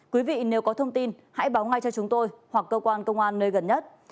quý vị nếu có thông tin hãy báo ngay cho chúng tôi hoặc cơ quan công an nơi gần nhất